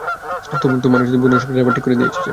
তোমার বোনের সংসার আবার ঠিক করে দিয়েছে সে।